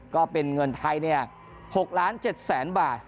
ก็เป็นเงินไทยเนี่ย๖๗๐๐๐๐๐บาท